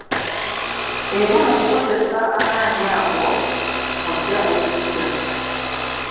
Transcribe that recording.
Era mu kukozesa amaanyi ago mw'ojja okuyiga.